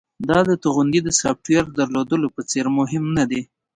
دا د توغندي د سافټویر درلودلو په څیر مهم ندی